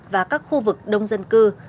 và các khu vực đông dân cư